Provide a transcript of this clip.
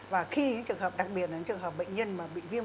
và khi trường hợp đặc biệt là trường hợp bệnh nhân mà bị viêm gan